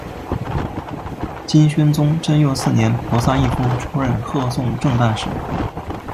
金宣宗贞佑四年仆散毅夫充任贺宋正旦使。